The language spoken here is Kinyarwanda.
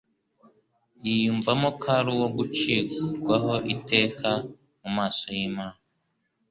yiyumvamo ko ari uwo gucirwaho iteka mu maso y'Imana.